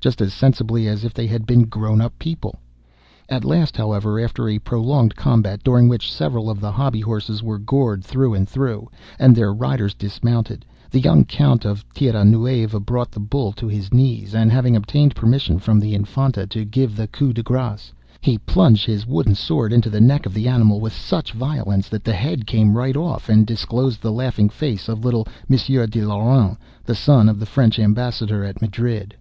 just as sensibly as if they had been grown up people. At last, however, after a prolonged combat, during which several of the hobby horses were gored through and through, and, their riders dismounted, the young Count of Tierra Nueva brought the bull to his knees, and having obtained permission from the Infanta to give the coup de grâce, he plunged his wooden sword into the neck of the animal with such violence that the head came right off, and disclosed the laughing face of little Monsieur de Lorraine, the son of the French Ambassador at Madrid.